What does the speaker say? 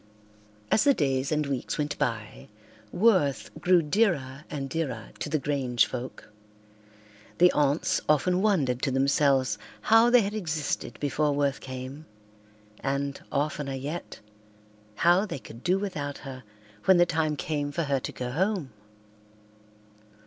As the days and weeks went by Worth grew dearer and dearer to the Grange folk. The aunts often wondered to themselves how they had existed before Worth came and, oftener yet, how they could do without her when the time came for her to go home.